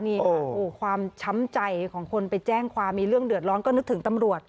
นี่ค่ะความช้ำใจของคนไปแจ้งความมีเรื่องเดือดร้อนก็นึกถึงตำรวจ